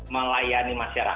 melayani masyarakat ya